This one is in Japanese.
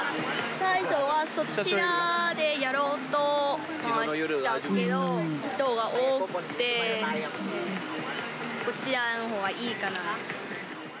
最初はそちらでやろうとしたけど、人が多くて、こちらのほうがいいかなと。